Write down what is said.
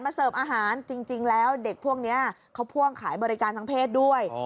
เสิร์ฟอาหารจริงแล้วเด็กพวกนี้เขาพ่วงขายบริการทางเพศด้วย